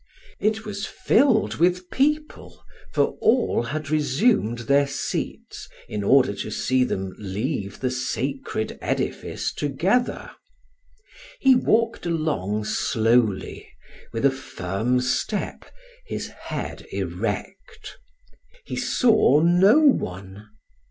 It was filled with people, for all had resumed their seats in order to see them leave the sacred edifice together. He walked along slowly, with a firm step, his head erect. He saw no one.